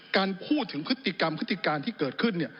การพูดถึงพฤติกรรมพฤติการที่เกิดขึ้น